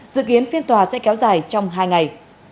dự kiến phiên tòa sẽ kéo dài trong hai ngày